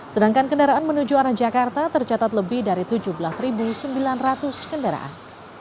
sedangkan kendaraan menuju arah jakarta tercatat lebih dari tujuh belas sembilan ratus kendaraan